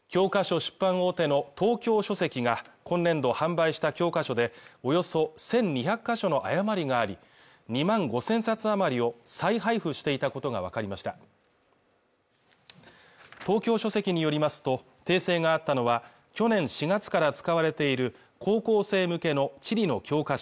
出版大手の東京書籍が今年度販売した教科書でおよそ１２００か所の誤りがあり２万５０００冊余りを再配布していたことが分かりました東京書籍によりますと訂正があったのは去年４月から使われている高校生向けの地理の教科書